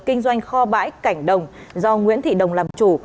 kinh doanh kho bãi cảnh đồng do nguyễn thị đồng làm chủ